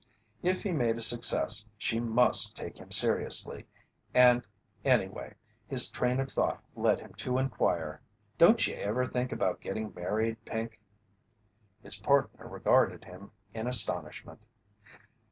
If he made a success she must take him seriously and anyway, his train of thought led him to inquire: "Don't you ever think about getting married, Pink?" His partner regarded him in astonishment.